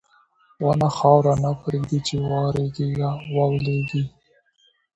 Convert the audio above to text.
• ونه خاوره نه پرېږدي چې وریږي.